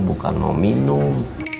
bukan mau minum